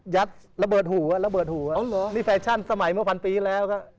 ยัดระเบิดหูนี่แฟชั่นสมัยเมื่อพันปีแล้วครับ